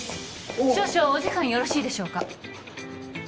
おお少々お時間よろしいでしょうか？